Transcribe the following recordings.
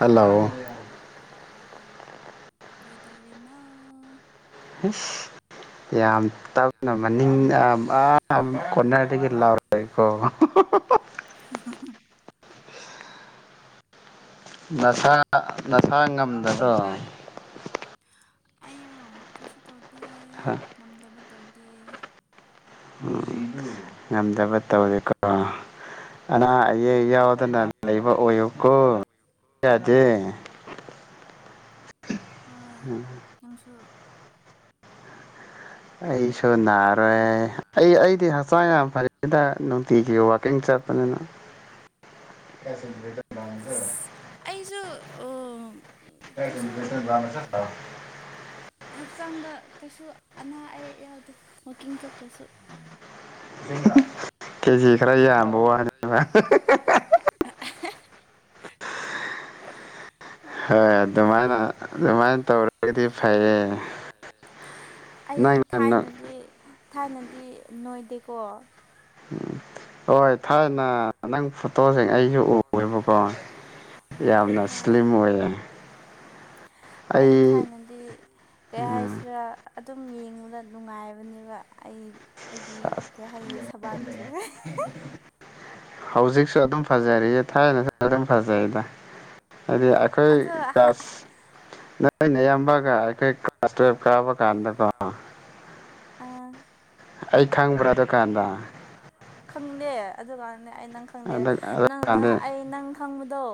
hello ꯀꯩꯗꯧꯔꯤꯅ ꯌꯥꯝ ꯇꯅ ꯃꯅꯤꯡ ꯑ ꯀꯣꯟꯅꯔꯗꯒꯤ ꯂꯥꯎꯔꯦꯀꯣ [unintelligible] ꯅꯁꯥ ꯅꯁꯥ ꯉꯝꯗꯗꯣ ꯑꯩꯔꯣ ꯀꯩꯁꯨ ꯇꯧꯗꯦ ꯉꯝꯗꯕ ꯇꯧꯗꯦ ꯎ ꯉꯝꯗꯕ ꯇꯧꯔꯦꯀꯣ ꯑꯅꯥ ꯑꯌꯦꯛ ꯌꯥꯎꯗꯅ ꯂꯩꯕ ꯑꯣꯏꯌꯨ ꯀꯣ ꯌꯥꯗ ꯎꯝ ꯑꯩꯁꯨ ꯅꯥꯔꯣꯏ ꯑꯩ ꯑꯩꯗꯤ ꯍꯛꯆꯥꯡ ꯌꯥꯝ ꯐꯔꯤꯗ ꯅꯨꯡꯇꯤꯒꯤ ꯋꯥꯀꯤꯡ ꯆ ꯄꯅꯤꯅ ꯝ ꯇꯁ ꯑꯁ ꯑꯩꯁꯨ ꯀꯩꯁꯨ ꯑ ꯍꯛꯆꯥꯡꯗ ꯀꯩꯁꯨ ꯑꯅꯥ ꯑꯌꯦꯛ ꯌꯥꯎꯗꯦ ꯃꯇꯇ꯭ꯔꯨꯝ ꯆꯠꯇ꯭ꯔꯁꯨ ꯀꯁꯤ ꯈꯔ [unintelligible] ꯍꯣꯏ ꯑꯗꯨꯃꯥꯏꯅ ꯑꯗꯨꯃꯥꯏꯅ ꯇꯧꯔꯒꯗꯤ ꯐꯩꯌꯦ ꯑꯩ ꯊꯥꯏꯅꯗꯤ ꯊꯥꯏꯅꯗꯤ ꯅꯣꯏꯗꯦꯀꯣ ꯎꯝ ꯍꯣꯏ ꯊꯥꯏꯅ ꯅꯪ ꯐꯣꯇꯣꯁꯤꯡ ꯑꯩꯁꯨ ꯎꯈ꯭ꯦꯔꯤꯕꯀꯣ ꯌꯥꯝꯅ ꯁ꯭ꯂꯤꯝ ꯑꯣꯏꯌꯦꯦ ꯑꯩ ꯊꯥꯏꯅꯗꯤ ꯀꯩ ꯍꯥꯏꯁꯤꯔꯥ ꯑꯗꯨꯝ ꯌꯦꯡꯕꯗ ꯅꯨꯡꯉꯥꯏꯕꯅꯦꯕ ꯑꯩ ꯑꯩꯒꯤ ꯀꯩ ꯍꯥꯏꯅꯤ ꯁꯕꯥꯟ [unintelligible] ꯍꯧꯖꯤꯛꯁꯨ ꯑꯗꯨꯝ ꯐꯖꯔꯤꯁ ꯊꯥꯏꯅꯁꯨꯁꯨ ꯑꯗꯨꯝ ꯐꯖꯩꯗ ꯍꯥꯏꯗꯤ ꯑꯩꯈꯣꯏ ꯀ꯭ꯂꯥꯁ ꯑꯩꯅ ꯑꯌꯥꯝꯕꯒ ꯑꯩꯈꯣꯏ ꯀ꯭ꯂꯥꯁ ꯇꯨꯌꯦꯜꯐ ꯀꯥꯕꯒ ꯗ ꯑꯩ ꯈꯪꯕ꯭ꯔꯥ ꯗ ꯀꯥꯟꯗ ꯑꯗꯨꯀꯥꯟꯅꯦ ꯑꯩ ꯅꯪ ꯈꯪꯗꯦ ꯅꯪꯅ ꯑꯩ ꯅꯪ ꯈꯪꯕꯗꯣ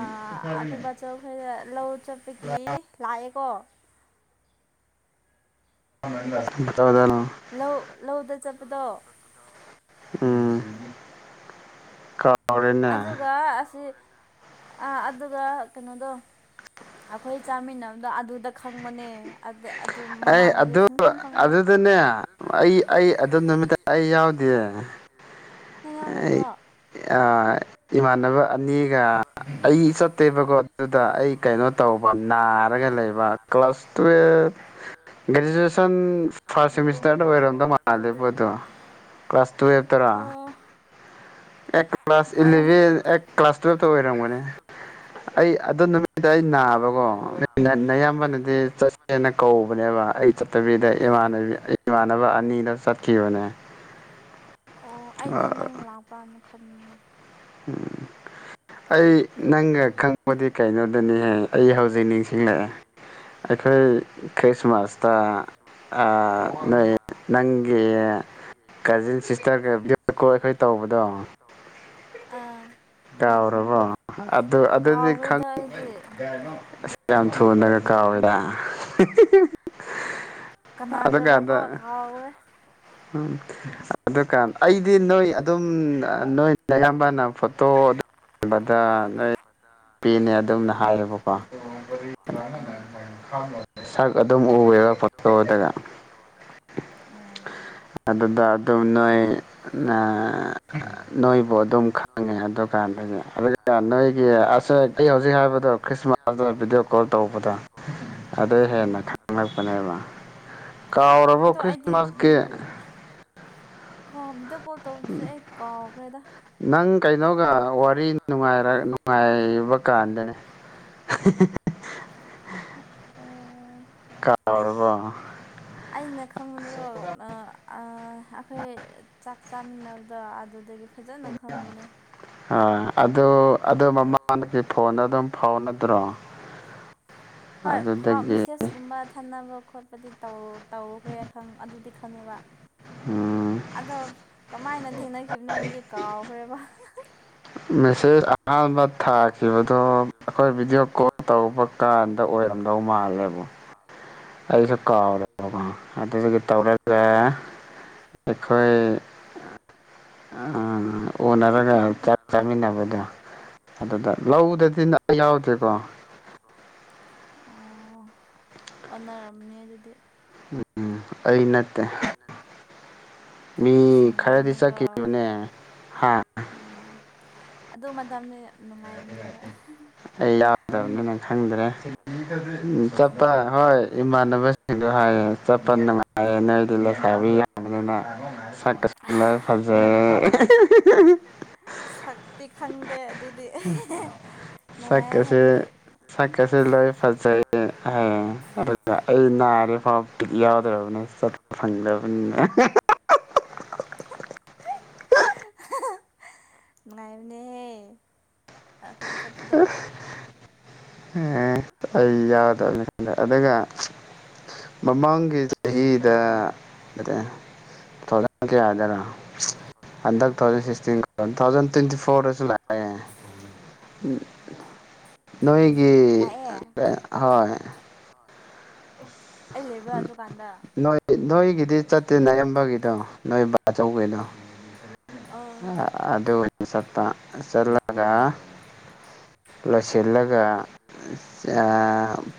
ꯑꯩꯈꯣꯏ ꯕꯥꯆꯧ ꯈꯣꯏ ꯂꯧ ꯆꯠꯄꯒꯤ ꯂꯥꯏꯛ ꯑꯣ ꯍꯗ ꯂꯧ ꯂꯧꯗ ꯆꯠꯄꯗꯣ ꯎꯝ ꯀ ꯑꯗꯨꯒ ꯑꯁꯤ ꯑꯗꯨꯒ ꯀꯩꯅꯣꯗꯣ ꯑꯩꯈꯣꯏ ꯆꯥꯃꯤꯟꯅꯕꯗꯣ ꯑꯗꯨꯗ ꯈꯪꯕꯅꯦ ꯑꯩ ꯑꯗꯨ ꯑꯗꯨꯗꯅꯦ ꯑꯩ ꯑꯩ ꯑꯗꯨꯝ ꯅꯨꯃꯤꯠꯇ ꯑꯩ ꯌꯥꯎꯗꯦ ꯑꯩ ꯏꯃꯥꯟꯅꯕ ꯑꯅꯤꯒ ꯑꯩ ꯆꯠꯇꯦꯕꯀꯣ ꯑꯗꯨꯗ ꯑꯩ ꯀꯩꯅꯣ ꯇꯧꯕ ꯑꯃ ꯑꯔꯒ ꯂꯩꯕ ꯀ꯭ꯂꯥꯁ ꯇꯨꯋꯜ ꯒ꯭ꯔꯦꯖꯨꯑꯦꯁꯟ ꯐꯥꯔꯁ ꯁꯦꯃꯤꯁꯇꯔꯗ ꯑꯣꯏꯔꯣꯝꯗ ꯃꯥꯜꯂꯦꯕꯗꯣ ꯀ꯭ꯂꯥꯁ ꯇ꯭ꯨꯋꯜꯚ ꯇꯔꯥ ꯀ꯭ꯂꯥꯁꯚꯦꯟ ꯑꯦ ꯀ꯭ꯂꯥꯁ ꯇꯨꯋꯇ ꯑꯣꯏꯔꯝꯒꯅꯦ ꯑꯩ ꯑꯗꯨ ꯅꯨꯃꯤ ꯁꯤꯗ ꯑꯩ ꯅꯥꯕꯀꯣ ꯑꯌꯥꯝꯕꯅꯗꯤ ꯆꯠꯁꯦꯅ ꯀꯧꯕꯅꯦꯕ ꯑꯩ ꯆꯠꯇꯕꯤꯗ ꯃꯥꯟ ꯏꯃꯥꯟꯅꯕ ꯑꯅꯤꯗ ꯆꯠꯈꯤꯕꯅꯦ ꯑꯣ ꯑꯩꯗꯤ ꯅꯪ ꯂꯥꯛꯄ꯭ꯔꯥ ꯃꯈꯜꯅꯦ [inaudible] ꯑꯩ ꯅꯪꯒ ꯈꯪꯕꯗꯤ ꯀꯩꯅꯣꯗꯅꯤꯍ ꯑꯩ ꯍꯧꯖꯤꯛ ꯅꯤꯡꯁꯤꯡꯂꯛꯑꯦ ꯑꯩꯈꯣꯏ ꯈ꯭ꯔꯤꯁꯃꯥꯁꯇ ꯅ ꯅꯪꯒꯤ ꯀꯖꯤꯟ ꯁꯤꯁꯇꯔꯒ ꯑꯩꯈꯣꯏ ꯇꯧꯕꯗꯣ ꯑꯥ ꯌꯥꯎꯔꯕꯣ ꯑꯗꯨ ꯑꯗꯨꯗꯤ ꯌꯥꯝ ꯊꯨꯅꯒ ꯀꯥꯎꯋꯦꯗ ꯀꯅꯥꯒꯔ ꯀꯣ ꯑ ꯀꯥꯎꯔꯦ ꯎꯝ ꯑꯗꯨꯀꯥꯟ ꯑꯩꯗꯤ ꯅꯣꯏ ꯑꯗꯨꯝ ꯅꯣꯏꯌꯥꯝ ꯑꯃꯅ ꯐꯣꯇꯣ ꯑꯗꯨ ꯌꯦꯕꯗ ꯅꯣꯏ ꯅꯨ ꯄꯄꯤꯅꯦ ꯑꯗꯨꯝꯅ ꯍꯥꯏꯌꯦꯕꯀꯣ ꯁꯛ ꯀ ꯑꯗꯨ ꯐꯠꯇꯔ ꯎ ꯑꯗꯨꯗ ꯑꯗꯨꯝ ꯅꯣꯏ ꯅꯣꯏꯕꯨ ꯑꯗꯨꯝ ꯈꯪꯉꯦ ꯑꯗꯨꯗꯨꯀꯥꯟꯗꯒꯤ ꯑꯗꯨ ꯅꯣꯏꯒꯤ ꯑꯁ ꯑꯩ ꯍꯧꯖꯤꯛ ꯍꯥꯏꯕꯗꯣ ꯈ꯭ꯔꯤꯁꯃꯥꯁꯇ ꯚꯤꯗꯤꯑꯣ ꯀꯣꯜ ꯇꯧꯕꯗꯣ ꯑꯗꯨꯩ ꯍꯦꯟꯅ ꯈꯪꯉꯛ ꯅꯦꯕ ꯀꯥꯎꯔꯕꯣ ꯈ꯭ꯔꯤꯁꯃꯥꯁꯀꯤ ꯀꯥꯎꯃꯤꯗ ꯄꯣꯠꯇ ꯑꯦ ꯀꯥꯎꯥꯎ ꯀ ꯀꯦꯗ ꯀꯩꯅꯣꯒ ꯋꯥꯔꯤꯅꯨꯡ ꯅꯨꯡꯉꯥꯏꯕ ꯀꯥꯟꯗꯅꯦ [unintelligible] [inaudible] ꯀꯔꯔꯕ ꯈꯪꯕꯅꯤꯀꯣ ꯑꯩꯈꯣꯏ ꯆꯥꯛ ꯆꯥꯃꯤꯟꯅꯕꯗꯣ ꯑꯗꯨꯗꯒꯤ ꯐꯖꯅ ꯈꯪꯕꯅꯦ ꯑꯗꯨ ꯑꯗꯨ ꯃꯃꯥꯒꯤ ꯐꯣꯟꯗ ꯑꯗꯨꯝ ꯐꯥꯎꯅꯗ꯭ꯔꯣ ꯍꯣꯏꯥꯎ ꯃꯤꯁꯦꯁꯀꯨꯝꯕ ꯊꯥꯅꯕ ꯈꯣꯠꯄꯗꯤ ꯇꯧꯈ꯭ꯔꯦ ꯑꯗꯨꯗꯤ ꯈꯪꯉꯦꯕ ꯑꯗꯣ ꯀꯃꯥꯏꯅ ꯊꯦꯡꯅꯈꯤꯕꯅꯣ ꯑꯗꯨꯗꯤ ꯀꯥꯎꯈ꯭ꯔꯦꯕ ꯁꯤ ꯑꯍꯥꯟꯕ ꯊꯥꯈꯤꯕꯗꯣ ꯑꯩꯈꯣꯏ ꯚꯤꯗꯤꯑꯣ ꯀꯣꯜ ꯇꯧꯕ ꯀꯥꯟꯗ ꯑꯣꯏꯔꯝꯗꯧ ꯃꯥꯜ ꯕ [unintelligible] [inaudible] ꯀꯥꯎꯔꯦꯕꯀꯣ ꯑꯗꯨꯗꯒꯤ ꯇꯧꯔꯒ ꯑꯩꯈꯣꯏ ꯑ ꯑꯣꯅꯔꯒ ꯆꯥꯃꯤꯟꯅꯕꯗ ꯑꯗꯨꯗ ꯂꯧꯗ ꯤꯟꯅꯥ ꯌꯥꯎꯗꯦꯀꯣ ꯑꯣꯟꯅꯔꯝꯅꯤ ꯑꯗꯨꯗꯤ ꯑꯩ ꯅꯠꯇꯦ ꯃꯤ ꯈꯔꯗꯤ ꯆ ꯀꯅꯦ ꯍꯥ ꯑꯗꯨ ꯃꯇꯝꯅꯦ ꯑꯩ ꯌꯥꯎꯗꯕꯅꯤ ꯅꯪ ꯈꯪꯗ꯭ꯔꯦ ꯍꯣꯏ ꯏꯃꯥꯟꯅꯕꯁꯤꯡꯗꯣ ꯍꯥꯏꯌꯦ ꯆꯠꯄ ꯅꯨꯡꯉꯥꯏꯌꯦ ꯅ ꯑꯩꯗꯤ ꯂꯩꯁꯥꯕꯤ ꯌꯥꯕꯅꯤꯅ ꯁꯀꯁꯂ ꯐꯖ [unintelligible] [inaudible] ꯁꯛꯀꯁ ꯁꯛꯀꯁꯦ ꯂꯣꯏ ꯐꯖꯩ ꯍꯥꯏ ꯑꯗꯨ ꯑꯩꯅ ꯅꯥꯔꯤꯕ ꯐꯥꯎꯕ ꯌꯥꯎꯗ꯭ꯔꯕꯅꯦ ꯆꯠꯄ ꯐꯪꯗ꯭ꯔꯕꯅꯤꯅꯦ [unintelligible] [inaudible] ꯉꯥꯏ ꯃꯅꯦ ꯍꯦ ꯑꯈꯣꯏ ꯆꯄꯗ ꯑꯩ ꯌꯥꯎꯒꯗꯕꯅꯤꯗ ꯑꯗꯨꯒ ꯃꯃꯥꯡꯒꯤ ꯆꯍꯤꯗ ꯊꯔ ꯀꯌꯥꯌꯥꯗꯔꯥ ꯍꯟꯗꯛ two thousand sixteen two thousand twenty ꯐꯣꯔꯗꯁꯨ ꯂꯥꯛꯑꯦ ꯅꯣꯏꯒꯤ ꯍꯣꯏ ꯑꯩ ꯂꯩꯕ꯭ꯔꯥ ꯑꯗꯨꯀꯥꯟꯗ ꯅꯣꯏꯒꯤꯗꯤ ꯆꯠꯇꯦ ꯅ ꯑꯔꯕꯒꯤꯗꯣ ꯅꯣꯏ ꯕꯥꯆꯧꯕꯧꯕꯩꯗꯣ ꯑ ꯑꯗꯨꯗ ꯁꯠꯇ ꯆꯂꯒ ꯂ ꯂ ꯆꯜꯂꯒ ꯑ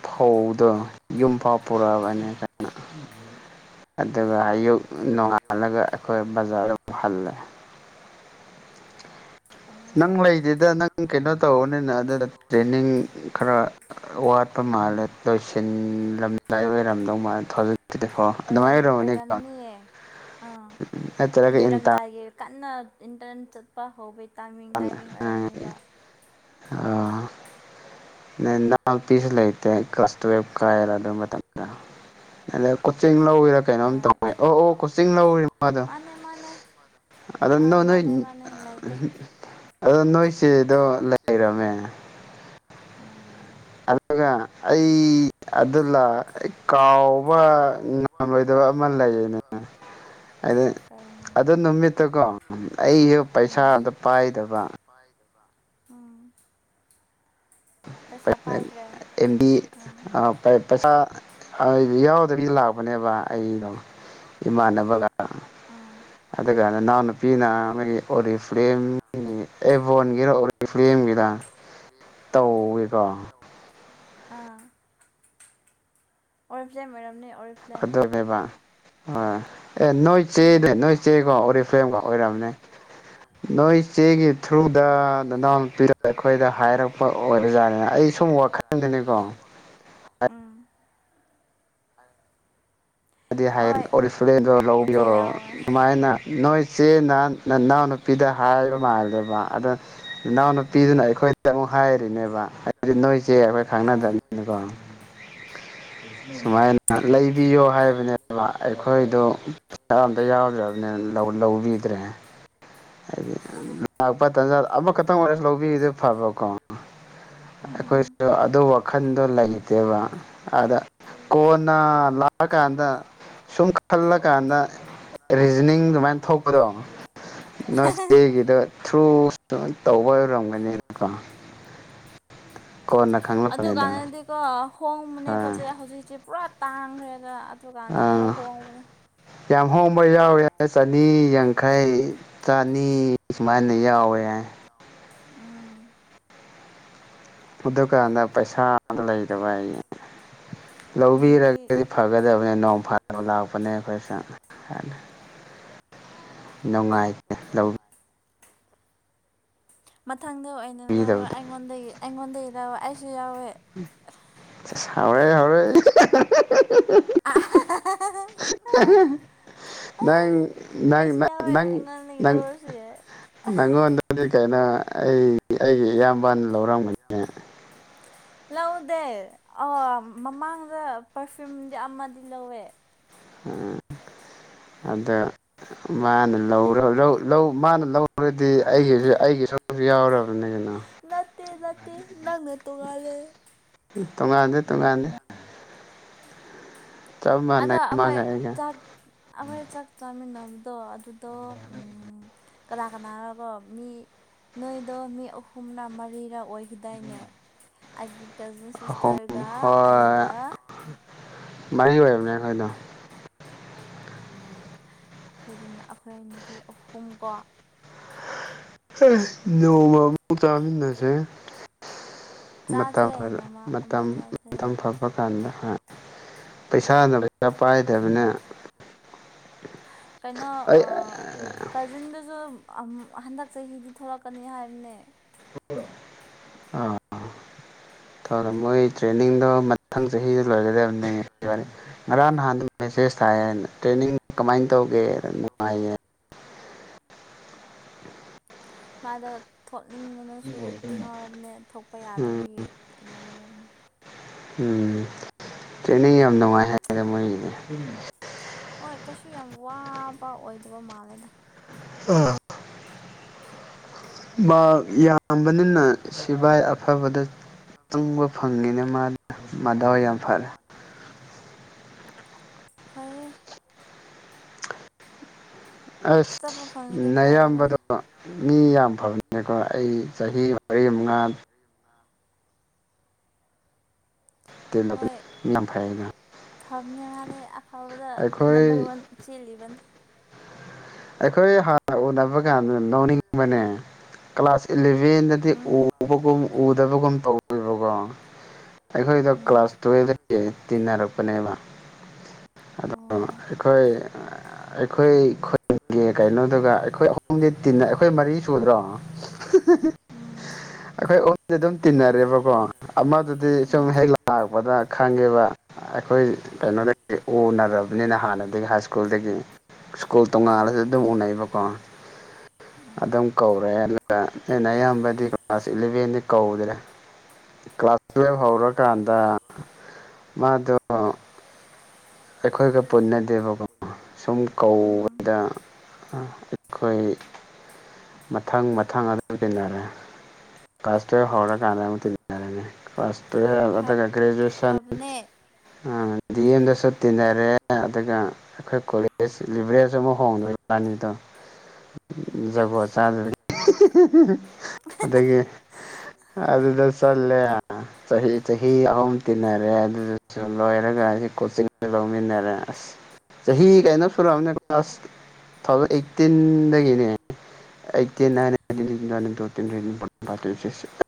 ꯐꯧꯗꯣ ꯌꯨꯝ ꯐꯥꯎ ꯄꯨꯔꯛꯑꯕꯅꯤ ꯀꯅ ꯑꯗꯨꯒ ꯑꯌꯨꯛ ꯅꯣꯡꯉꯥꯜꯂꯒ ꯑꯩꯈꯣꯏ ꯕꯖꯥꯔꯗ ꯑꯃꯨꯍꯜꯂꯦ ꯅꯪ ꯂꯩꯗꯨꯗ ꯅꯪ ꯀꯩꯅꯣ ꯇꯧꯕꯅꯤꯅ ꯑꯗꯨꯗ ꯇ꯭ꯔꯦꯟꯅꯤꯡ ꯈꯔ ꯋꯥ ꯠꯄ ꯃꯥꯜꯂꯦ ꯂꯣꯏꯁꯤꯜꯂꯝꯗꯥꯏ ꯑꯣꯏꯔꯝꯗꯧ ꯃꯥꯜꯂꯦ ꯊꯗꯛꯗꯤꯀꯣ ꯑꯗꯨꯃꯥꯏꯅ ꯂꯩꯔꯝꯃꯅꯤ ꯃꯦ ꯑꯦꯇꯔꯒ ꯏꯟꯇꯥ ꯀꯟꯅ ꯏꯟꯇꯔꯟ ꯆꯠꯄ ꯍꯧꯕꯩ ꯇꯥꯏꯃꯤꯡ ꯇꯥꯏꯃꯤꯡ ꯑꯣꯏꯔꯝꯅꯦꯕ ꯑ ꯄꯁ ꯂꯩꯇꯦ ꯇ꯭ꯋꯦꯞ ꯀ ꯏꯔꯥꯗꯣ ꯃ ꯇꯥ ꯀ ꯑꯗ ꯀꯣꯆꯤꯡ ꯂꯧꯋꯤꯔꯥ ꯀꯩꯅꯣꯝ ꯇꯧ ꯑꯣ ꯑꯣ ꯀꯣꯆꯤꯡ ꯂꯧꯔ ꯃꯥꯗꯣ ꯑꯗꯅ ꯑꯗꯣ ꯅꯣꯏꯁꯤꯗꯣ ꯂꯩꯔꯝꯃꯦ ꯎꯝ ꯑꯗꯨꯒ ꯑꯩ ꯑꯗꯨꯂ ꯀꯥꯎꯕ ꯉꯝꯂꯣꯏꯗ ꯑꯃꯜ ꯂꯩꯦꯅꯦ ꯗꯤ ꯑꯗꯨ ꯅꯨꯃꯤꯠꯇꯀꯣ ꯑꯩꯁꯨ ꯄꯩꯁꯥ ꯑꯝꯗ ꯄꯥꯏꯗꯕ ꯎꯝ ꯦꯝꯕꯤ ꯑ ꯄꯩꯁꯥ ꯑꯩꯗꯤ ꯌꯥꯎꯗꯒꯤ ꯂꯥꯛꯄꯅꯦꯕ ꯑꯩꯩꯅꯣ ꯏꯃꯥꯟꯅꯕꯒ ꯑꯗꯨꯒ ꯏꯅꯥꯎꯅꯨꯄꯤꯅ ꯃꯣꯏꯒꯤ ꯑꯣ ꯐ ꯑꯦꯕꯣꯟꯒꯤꯔ ꯐꯤꯂꯦꯝꯒꯤꯗ ꯇꯧꯋꯦꯀꯣ ꯑꯥ ꯑꯣꯏꯔ ꯐ꯭ꯂꯦ ꯑꯣꯏꯔꯝꯅꯤ ꯑꯗꯨꯒꯅꯦꯕ ꯍꯣꯏ ꯑꯦ ꯅꯣꯏ ꯆꯦꯅꯦ ꯅꯣꯏ ꯆꯦꯈꯣ ꯎꯔꯤꯐꯦꯝꯈꯣ ꯑꯣꯏꯔꯝꯅꯦ ꯅꯣꯏ ꯏ ꯆꯦꯒꯤ ꯊ꯭ꯔꯨꯗ ꯅꯗꯥꯎ ꯄꯤꯔꯒ ꯑꯩꯈꯣꯏꯗ ꯍꯥꯏꯔꯛꯄ ꯑꯣꯏꯔꯖꯥꯠꯅꯤꯅ ꯑꯩ ꯁꯨꯝ ꯋꯥꯈꯜꯗ ꯑꯩ ꯁꯣꯝ ꯋꯥ ꯈꯟꯒꯅꯤꯀꯣ ꯧꯕꯤ ꯁꯨꯃꯥꯏꯅ ꯅꯣꯏ ꯆꯦ ꯅ ꯅꯎ ꯅꯨꯄꯤꯗ ꯍꯥꯏꯕ ꯃꯥꯜꯂꯦꯕ ꯑꯗ ꯏꯅꯥꯎꯅ ꯅꯨꯄꯤꯗꯨꯅ ꯑꯩꯈꯣꯏꯗ ꯑꯃꯨꯛ ꯍꯥꯏꯔꯤꯅꯦꯕ ꯍꯥꯏꯗꯤ ꯅꯣꯏꯁꯦ ꯑꯩꯈꯣꯏ ꯈꯪꯅꯗꯕꯅꯤꯅꯀꯣ [unintelligible] ꯁꯨꯃꯥꯏꯅ ꯂꯩꯕꯤꯌꯣ ꯍꯥꯏꯕ ꯑꯗꯨꯅꯦꯕ ꯑꯩꯈꯣꯏꯗꯝꯇ ꯌꯥꯎꯗ꯭ꯔꯕꯅꯤ ꯂꯧꯕꯤꯗ꯭ꯔꯦ ꯍꯥꯏꯗꯤ ꯂꯥꯛꯄ ꯇꯟꯖꯥ ꯑꯃꯈꯛꯇꯪ ꯑꯣꯏꯔꯁꯨ ꯂꯧꯕꯤꯔꯤꯗꯨ ꯐꯕꯀꯣ ꯑꯩꯈꯣꯏꯁꯨ ꯑꯗꯨ ꯋꯥꯈꯜꯗꯣ ꯂꯩꯇꯦꯕ ꯑꯗ ꯀꯣꯟꯅ ꯊꯥꯔ ꯀꯥꯟꯗ ꯁꯨꯝ ꯈꯜꯂꯀꯥꯟꯗ ꯔꯤꯖꯅꯤꯡ ꯑꯗꯨꯃꯥꯏꯅ ꯊꯣꯛꯄꯗꯣ ꯅꯣꯏ ꯆꯦꯒꯤꯗ ꯊ꯭ꯔꯨ ꯁ ꯇꯧꯕ ꯑꯣꯏꯔꯝꯒꯅꯤꯅꯀꯣ ꯑꯗꯨ ꯀꯅꯗꯤꯀ ꯍꯣꯡꯕꯅꯦ ꯄꯣꯠꯁꯦ ꯍꯧꯖꯤꯛꯁꯦ ꯄꯨꯔꯥ ꯇꯥꯡꯈ꯭ꯔꯦꯗ ꯑꯗꯨꯀꯥꯟꯗ ꯈꯔ ꯍꯣꯡꯕꯅꯦ ꯌꯥꯝ ꯍꯣꯡꯕ ꯌꯥꯎꯋꯦ ꯆꯅꯤ ꯌꯥꯡꯈꯩ ꯆꯅꯤ ꯁꯨꯃꯥꯏꯅ ꯌꯥꯎꯋꯦ ꯌꯦ ꯌꯥꯋ ꯑꯗꯨꯀꯥꯟꯗ ꯄꯩꯁꯥ ꯂꯩꯇꯕ ꯑꯩ ꯂꯧꯕꯤꯔꯒꯗꯤ ꯐꯒꯗꯕꯅꯦ ꯅꯣꯡ ꯂꯥꯛꯄꯅꯦ ꯑꯩꯈꯣꯏ ꯁ ꯍꯥꯏꯅꯤ ꯅꯨꯡꯉꯥꯏ ꯂꯧꯏ ꯃꯊꯪꯗ ꯑꯣꯏꯅ ꯂꯧꯔꯣ ꯑꯩꯉꯣꯟꯗꯒꯤ ꯑꯩꯉꯣꯟꯗꯒꯤ ꯂꯧꯋꯦ ꯑꯩꯁꯨ ꯌꯥꯎꯋꯦ ꯁꯥꯎꯔꯦ ꯍꯥꯎꯔꯦ ꯑ [unintelligible] ꯅ ꯅꯉ ꯀꯩꯅꯣ ꯑꯩ ꯑꯩꯒꯤ ꯏꯌꯥꯝꯕꯟ ꯂꯧꯔꯝꯕꯅꯤ ꯂꯧꯗꯦ ꯃꯃꯥꯡꯗ ꯄꯔꯐ꯭ꯌꯨꯝꯗꯤ ꯑꯃꯗꯤ ꯂꯧꯋꯦ ꯎ ꯑꯗ ꯃꯥꯅ ꯂꯧ ꯂꯧ ꯃꯥꯅ ꯂꯧꯔꯗꯤ ꯑꯩꯒꯤꯁꯨ ꯑꯩꯒꯤ ꯁꯁꯨ ꯌꯥꯎꯔꯕꯅꯤꯅ ꯅꯠꯇꯦ ꯅꯦ ꯅꯪꯅ ꯇꯧꯉꯂ ꯇꯣꯉꯥꯟꯗꯦ ꯇꯣꯡꯉꯥꯟꯗꯦ ꯑꯗꯣ ꯑꯩꯈꯣꯏ ꯆꯥꯛ ꯑꯩꯈꯣꯏ ꯆꯥꯛ ꯆꯥꯃꯤꯟꯅꯕꯗꯣ ꯑꯗꯨ ꯇꯣ ꯀꯅꯥ ꯀꯅꯥꯅꯒꯣ ꯃꯤ ꯅꯣꯏꯗꯣ ꯃꯤ ꯑꯍꯨꯝꯅ ꯃꯔꯤꯔ ꯑꯣꯏꯈꯤꯗꯥꯏꯅꯦ ꯑꯩꯒꯤ ꯀꯖꯤꯟ ꯁꯤꯁꯇꯔꯒ ꯑꯩꯒ ꯃꯥꯔꯤ ꯑꯣꯏꯔꯕꯅꯦ ꯑꯩꯈꯣꯏꯗꯣ ꯎ ꯑꯩꯈꯣꯏ ꯑꯩꯈꯣꯏ ꯅꯨꯄꯤ ꯑꯍꯨꯝ ꯀꯣ ꯅꯉꯃ ꯆꯥ ꯅꯁꯦ ꯃꯇꯝ ꯃꯇꯝ ꯃꯇꯝ ꯐꯕ ꯀꯥꯟꯗ ꯄꯩꯁꯥꯅ ꯔ ꯄꯥꯏꯗꯕꯅ ꯀꯩꯅꯣ ꯀꯖꯤꯟꯗꯨꯁꯨ ꯍꯟꯗꯛ ꯆꯍꯤꯗꯤ ꯊꯣꯛꯂꯛꯀꯅꯤ ꯍꯥꯏꯕꯅꯦ ꯑꯥ ꯑ ꯧ ꯃꯣꯏ ꯇ꯭ꯔꯦꯟꯅꯤꯡꯗꯣ ꯃꯊꯪ ꯆꯍꯤꯗ ꯂꯣꯏꯒꯗꯕꯅꯤ ꯉꯔꯥꯡ ꯅꯍꯥꯟꯗ ꯃꯦꯦꯖ ꯀꯥꯏꯅ ꯇ꯭ꯔꯦꯅꯤꯡ ꯀꯃꯥꯏꯅ ꯇꯧꯒꯦ ꯅꯨꯡꯉꯥꯏꯌꯦ ꯃꯥ ꯃꯥꯗ ꯊꯣꯠꯅꯤꯡꯕꯅꯁꯨ ꯉꯥꯎꯔꯝꯅꯦ ꯊꯣꯛꯄ ꯌꯥꯗꯕꯒꯤ ꯂꯩꯔꯕꯅꯦ ꯎꯝ ꯇ꯭ꯔꯦꯅꯤꯡ ꯌꯥꯝ ꯅꯨꯡꯉꯥꯏ ꯍꯥꯏꯔꯦ ꯃꯣꯏꯒꯤꯅꯦ ꯀꯩꯁꯨ ꯌꯥꯝ ꯋꯥꯕ ꯑꯣꯏꯗꯕ ꯃꯥꯜꯂꯦꯗ ꯑꯥ ꯌꯥꯝꯕꯅꯤꯅ ꯁꯤꯕꯥꯏ ꯑꯐꯕꯗ ꯆꯪꯕ ꯐꯪꯉꯤꯅ ꯃꯥ ꯃꯥꯗꯥꯎ ꯌꯥꯝ ꯐꯔꯦ ꯑꯩ ꯑꯁ ꯑꯌꯥꯝꯕꯗꯣ ꯃꯤ ꯌꯥꯝ ꯐꯕꯅꯤ ꯑꯗꯨꯒꯣ ꯑꯩ ꯆꯍꯤ ꯃꯔꯤ ꯃꯉꯥ ꯑꯗꯨꯕ ꯅꯝꯐꯩ ꯐꯝꯅꯦ ꯃꯥꯅꯦ ꯑꯐꯕꯗ ꯅꯝꯕꯔ ꯋꯥꯟ ꯆꯦꯜꯂꯤꯕꯅꯦ ꯑꯩꯈꯣꯏ ꯍꯥꯟꯅ ꯎꯅꯕ ꯀꯥꯟꯗ ꯂꯧꯅꯤꯡꯕꯅꯦ ꯀ꯭ꯂꯥꯁꯂꯚ ꯏꯕꯅꯗꯤ ꯎꯕꯒꯨꯝ ꯎꯗꯕꯒꯨꯝꯜꯕꯒ ꯑꯩꯈꯣꯏꯗ ꯀ꯭ꯂꯥꯁ ꯇꯨꯌꯦꯜꯕꯒꯤ ꯇꯤꯟꯅꯔꯛꯄꯅꯦꯕ ꯑꯗꯣ ꯑꯩꯈꯣꯏ ꯑꯩꯈꯣꯏꯈꯣꯏ ꯀꯩꯅꯣꯗꯨ ꯑꯩꯈꯣꯏ ꯑꯍꯨꯝꯗꯤ ꯇꯟꯅ ꯑꯩꯈꯣꯏ ꯃꯔꯤ ꯁꯨꯗ꯭ꯔꯣ ꯑꯩꯈꯣꯏ ꯑꯣꯨꯝꯗꯤꯦ ꯑꯗꯨꯝ ꯇꯤꯟꯅꯔꯦꯕꯀꯣ ꯑꯃꯗꯨꯗꯤ ꯁꯨꯝ ꯍꯦꯛ ꯂꯥꯛꯄꯗ ꯈꯪꯉꯕ ꯑꯩꯈꯣꯏ ꯀꯩꯅꯣꯗꯒꯤ ꯎꯅꯗꯕ ꯑꯗꯨꯕꯅꯤꯅ ꯍꯥꯟꯅꯗꯒꯤ ꯍꯥꯏ ꯁ꯭ꯀꯨꯜꯗꯒꯤ ꯁ꯭ꯀꯨꯜ ꯇꯣꯡꯉꯥꯟꯜꯂꯁꯨ ꯑꯗꯨꯝ ꯎꯅꯩꯑꯕꯀꯣ ꯑꯗꯨꯝ ꯀꯧꯔꯑꯦ ꯑꯗꯨꯒ ꯑꯩꯅ ꯑꯌꯥꯝꯕꯗꯤ ꯀ꯭ꯂꯥꯁ ꯏꯂꯚꯦꯟꯗꯤ ꯀꯧꯗ꯭ꯔꯦ ꯀ꯭ꯂꯥꯁ ꯇꯨꯌꯦꯜꯞ ꯍꯧꯔꯀꯥꯟꯗ ꯃꯥꯗꯣ ꯑꯩꯈꯣꯏꯒ ꯄꯨꯟꯅꯗꯦꯕꯀꯣ ꯁꯨꯝ ꯀꯧꯕꯗ ꯑꯩꯈꯣꯏ ꯃꯊꯪ ꯃꯊꯪ ꯑꯗꯨ ꯇꯤꯟꯅꯔꯦ ꯀꯂ꯭ꯥꯁ ꯇꯦꯌꯦꯞ ꯍꯧꯔ ꯊꯦꯪꯅꯔꯁꯦ ꯇꯋ ꯑꯗꯒ ꯭ꯔꯦꯖꯨꯌꯦꯦꯁꯟ ꯗꯤ ꯑꯦꯟꯗ ꯁꯠ ꯇꯤꯟꯅꯔꯦ ꯑꯗꯨꯒ ꯑꯩꯈꯣꯏ ꯀꯣꯂꯦꯖ ꯂꯤꯕꯔꯦꯖ ꯑꯃ ꯍꯣꯡꯗꯣꯏ ꯋꯥꯅꯤꯗꯣ ꯑꯆꯥꯄꯣꯠꯕ ꯆꯥꯟꯗꯔ ꯑꯗꯨꯗꯒꯤ ꯑꯗꯨꯗ ꯆ ꯂ ꯆꯍꯤ ꯆꯍꯤ ꯑꯍꯨꯝ ꯇꯤꯟꯅꯔꯦ ꯑꯗꯨꯗ ꯁ ꯂꯣꯏꯔꯒ ꯀꯣꯆꯤꯡ ꯂꯧꯃꯤꯟꯅꯔꯦ ꯑꯁ ꯆꯍꯤ ꯀꯩꯅ ꯁꯨꯔꯛꯑꯕꯅꯦ ꯀ꯭ꯂꯥꯁ ꯊꯥꯎꯖꯟ ꯑꯩꯠꯇꯤꯟꯗꯒꯤꯅꯦ [unintelligible]